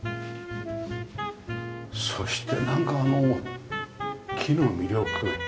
そしてなんかあの木の魅力。